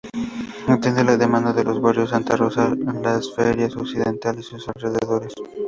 Atiende la demanda de los barrios Santa Rosa, Las Ferias Occidental y sus alrededores.